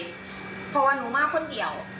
เพราะว่าหนูมาคนเดียว